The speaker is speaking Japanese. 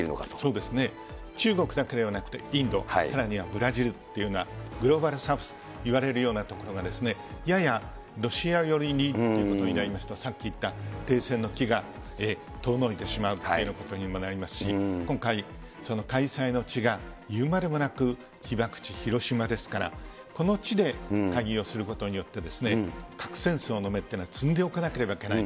そうですね、中国だけではなくて、インド、さらにはブラジルっていうような、グローバルサウスといわれるような所がですね、ややロシア寄りにということになりますと、さっき言った停戦の機が遠のいてしまうというようなことにもなりますし、今回、その開催の地が、言うまでもなく被爆地、広島ですから、この地で会議をすることによって核戦争の芽っていうのは摘んでおかなければいけない。